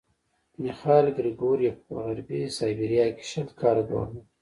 میخایل ګریګورویوف په غربي سایبیریا کې شل کاله ګورنر وو.